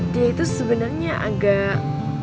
dia itu sebenernya agak